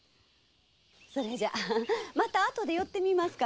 それじゃまた後で寄ってみますから。